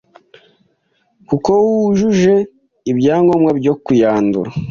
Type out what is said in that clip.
kuko wujuje ibyangombwa byo kuyandura.